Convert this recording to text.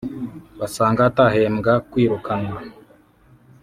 basanga atahembwa kwirukanwa